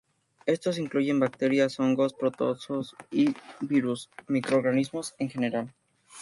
Estos incluyen: bacterias, hongos, protozoos y virus; microorganismos en general.